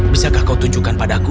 bisakah kau tunjukkan padaku